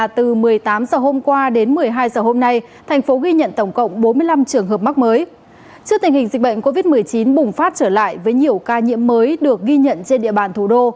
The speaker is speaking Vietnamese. trước tình hình dịch bệnh covid một mươi chín bùng phát trở lại với nhiều ca nhiễm mới được ghi nhận trên địa bàn thủ đô